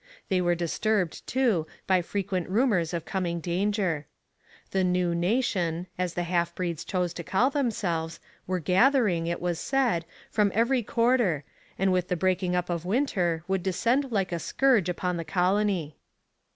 They were disturbed, too, by frequent rumours of coming danger. The 'New Nation,' as the half breeds chose to call themselves, were gathering, it was said, from every quarter, and with the breaking up of winter would descend like a scourge upon the colony.